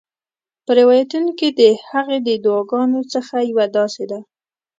په روایتونو کې د هغې د دعاګانو څخه یوه داسي ده: